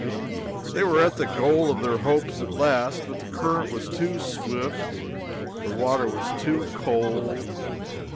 They were at the goal of their hopes at last, but the current was too swift, the water was too cold!